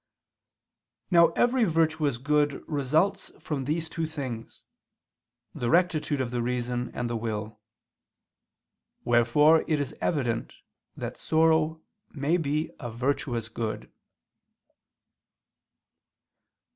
Now every virtuous good results from these two things, the rectitude of the reason and the will. Wherefore it is evident that sorrow may be a virtuous good.